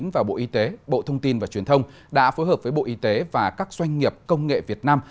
và bộ y tế bộ thông tin và truyền thông đã phối hợp với bộ y tế và các doanh nghiệp công nghệ việt nam